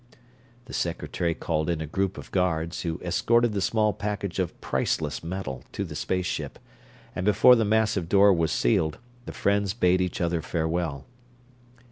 The Secretary called in a group of guards, who escorted the small package of priceless metal to the space ship, and before the massive door was sealed the friends bade each other farewell.